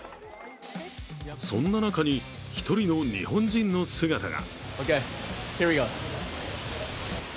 そんな中に、１人の日本人の姿が。